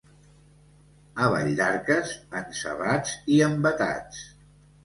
A Valldarques, encebats i envetats.